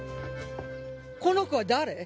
この子は誰？